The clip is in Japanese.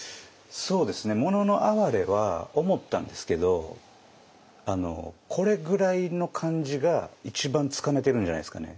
そうですね「もののあはれ」は思ったんですけどこれぐらいの感じが一番つかめてるんじゃないですかね。